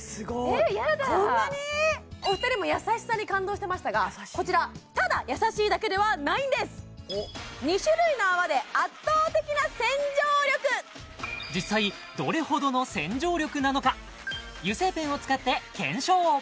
えっヤダお二人も優しさに感動してましたがこちらただ優しいだけではないんです実際どれほどの洗浄力なのか油性ペンを使って検証